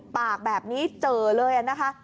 ปากแบบนี้เจอเลยนะคะ